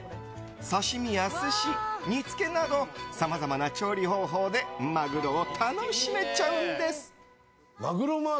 刺し身や寿司、煮つけなどさまざまな調理方法でマグロを楽しめちゃうんです。